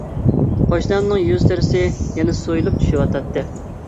قوشنامنىڭ يۈز تېرىسى يەنە سويۇلۇپ چۈشۈۋاتاتتى.